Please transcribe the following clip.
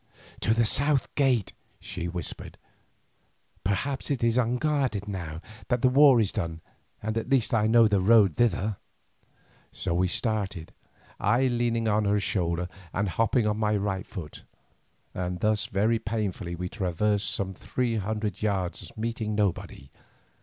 "To the south gate," she whispered; "perhaps it is unguarded now that the war is done, at the least I know the road thither." So we started, I leaning on her shoulder and hopping on my right foot, and thus very painfully we traversed some three hundred yards meeting nobody.